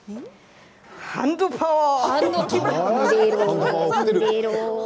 ハンドパワー！